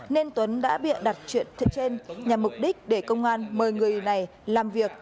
nên tuấn đã bịa đặt chuyện trên nhằm mục đích để công an mời người này làm việc